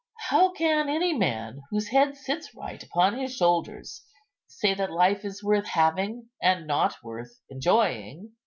How can any man, whose head sits right upon his shoulders, say that life is worth having, and not worth enjoying?"